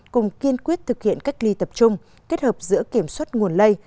cùng kiên quyết thực hiện cách ly tập trung kết hợp giữa kiểm soát nguồn lây